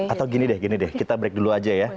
atau gini deh gini deh kita break dulu aja ya